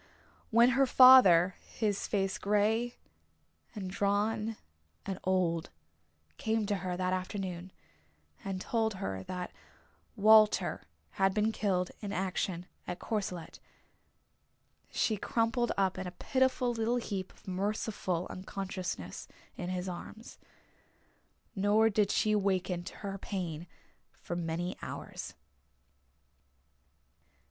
When her father, his face grey and drawn and old, came to her that afternoon and told her that Walter had been killed in action at Courcelette she crumpled up in a pitiful little heap of merciful unconsciousness in his arms. Nor did she waken to her pain for many hours.